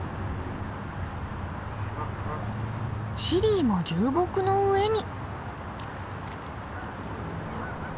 シリーも流木の上に。